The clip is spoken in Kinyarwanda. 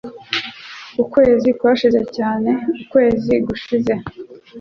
Ukwezi kwashize cyane ukwezi gushize.